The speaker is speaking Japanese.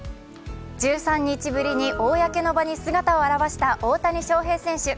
１３日ぶりに公の場に姿を現した大谷翔平選手。